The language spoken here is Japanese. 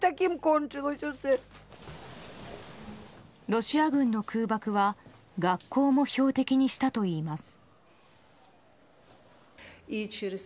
ロシア軍の空爆は学校も標的にしたといいます。